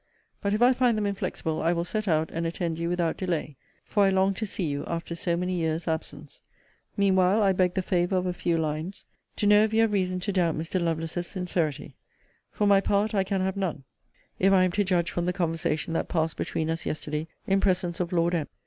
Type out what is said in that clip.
But if I find them inflexible, I will set out, and attend you without delay; for I long to see you, after so many years' absence. Mean while, I beg the favour of a few lines, to know if you have reason to doubt Mr. Lovelace's sincerity. For my part, I can have none, if I am to judge from the conversation that passed between us yesterday, in presence of Lord M.